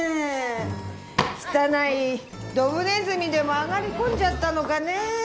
汚いドブネズミでも上がり込んじゃったのかねえ。